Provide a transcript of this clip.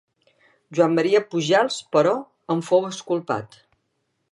Joan Maria Pujals, però, en fou exculpat.